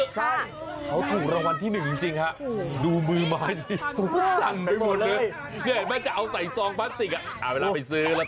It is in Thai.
ใช่เขาถูกรวรรลวร์ที่หนึ่งจริงดูมือมายซิถูกสั่นไปหมดเลย